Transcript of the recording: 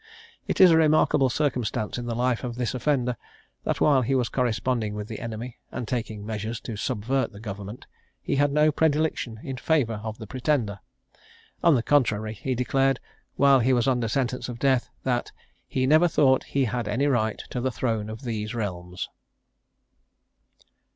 It is a remarkable circumstance in the life of this offender, that while he was corresponding with the enemy, and taking measures to subvert the government, he had no predilection in favour of the Pretender. On the contrary, he declared, while he was under sentence of death, that "he never thought he had any right to the throne of these realms."